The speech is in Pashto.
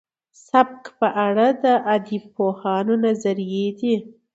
سبک په اړه د ادبپوهانو نظريې دي.